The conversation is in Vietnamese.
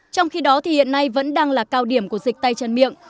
trong khi đó thì hiện nay vẫn đang là cao điểm của dịch tay chân miệng